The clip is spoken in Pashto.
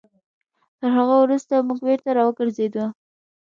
تر هغه وروسته موږ بېرته راوګرځېدلو.